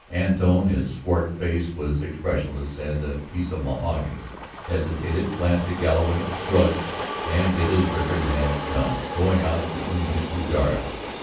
Antone, his swart face as expressionless as a piece of mahogany, hesitated, glanced at Galloway, shrugged, and did as Rickard had done, going out between his two guards.